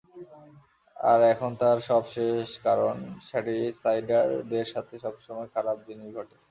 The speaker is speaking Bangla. আর এখন তার সব শেষ কারন শ্যাডিসাইডার দের সাথে সবসময় খারাপ জিনিস ঘটে।